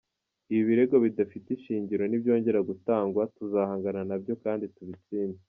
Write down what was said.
Ibi birego bidafite ishingiro nibyongera gutangwa, tuzahangana na byo kandi tubitsinde.